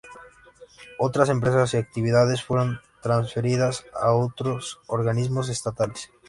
Otras empresas y actividades fueron transferidas a otros organismos estatales.